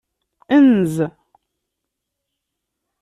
Enz.